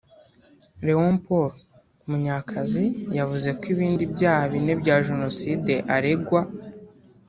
Leopord Munyakazi yavuze ko ibindi byaha bine bya Jenoside aregwa